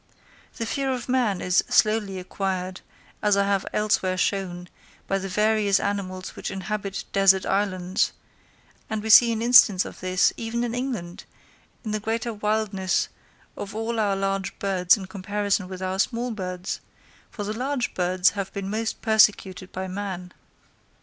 The fear of man is slowly acquired, as I have elsewhere shown, by the various animals which inhabit desert islands; and we see an instance of this, even in England, in the greater wildness of all our large birds in comparison with our small birds; for the large birds have been most persecuted by man.